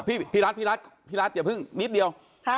พี่รัฐพี่รัฐอย่าเพิ่งนิดเดียว